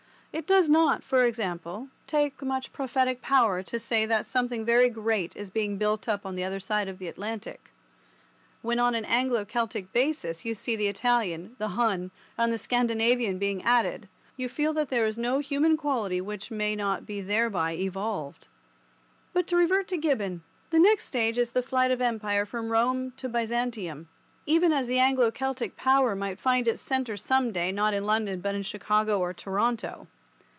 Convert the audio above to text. It does not, for example, take much prophetic power to say that something very great is being built up on the other side of the Atlantic. When on an Anglo Celtic basis you see the Italian, the Hun, and the Scandinavian being added, you feel that there is no human quality which may not be thereby evolved. But to revert to Gibbon: the next stage is the flight of Empire from Rome to Byzantium, even as the Anglo Celtic power might find its centre some day not in London but in Chicago or Toronto.